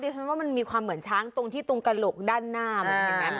จริงมันมีความเหมือนช้างตรงที่ตรงกระหลกด้านหน้ามันหอม